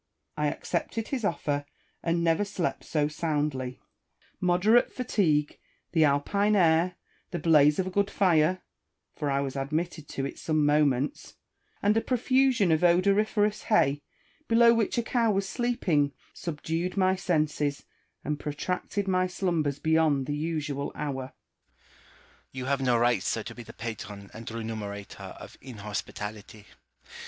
I accepted his offer, and never slept so soundly. Moderate fatigue, the 248 IMAGINARY CONVERSATIONS. Alpine air, the blaze of a good fire (for I was admitted to it some moments), and a profusion of odoriferous hay, below which a cow was sleeping, subdued my senses, and protracted my slumbers beyond the usual hour. Rousseau. You have no right, sir, to be the patron and remunerator of inhospitality.